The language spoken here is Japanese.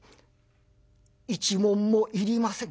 「１文もいりません」。